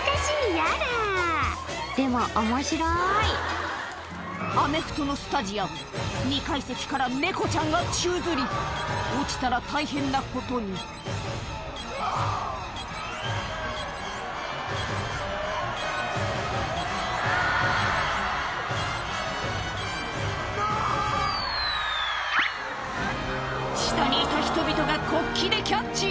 ヤダでも面白いアメフトのスタジアム２階席から猫ちゃんが宙づり落ちたら大変なことに下にいた人々が国旗でキャッチ！